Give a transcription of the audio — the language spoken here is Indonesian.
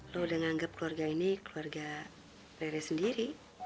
lo udah nganggep keluarga ini keluarga rere sendiri